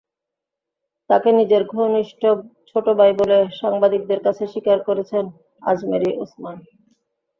তাঁকে নিজের ঘনিষ্ঠ ছোট ভাই বলে সাংবাদিকদের কাছে স্বীকার করেছেন আজমেরী ওসমান।